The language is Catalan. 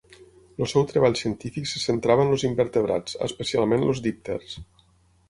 El seu treball científic se centrava en els invertebrats, especialment els "dípters".